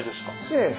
ええ。